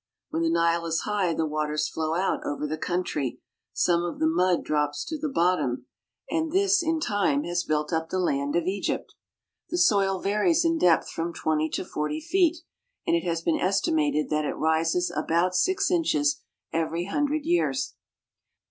When the Nile is high the waters flow out over the country, some of the mud drops to the bottom, and this in I 84 AFRICA time has built up the land of Egypt, The soil varies in depth from twenty to forty feet, and it has been estimated that it rises about six inches every hundred years.